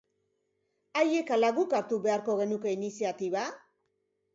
Haiek ala guk hartu beharko genuke iniziatiba?